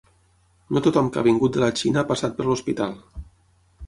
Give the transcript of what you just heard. No tothom que ha vingut de la Xina ha passat per l’hospital.